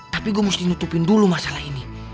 tapi gue mesti nutupin dulu masalah ini